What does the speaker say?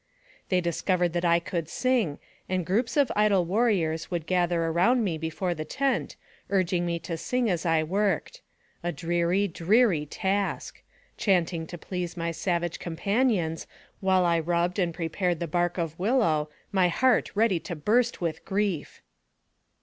They discovered that I could sing, and groups of idle warriors would gather around me before the tent, urging me to sing as I worked. A dreary, dreary task ! chanting to please my savage companions while I rubbed and prepared the bark of willow, my heart ready to burst with grief.